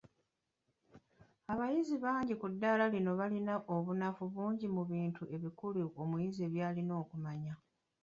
Abayizi bangi ku ddaala lino balina obunafu bungi mu bintu ebikulu omuyizi by’alina okumanya.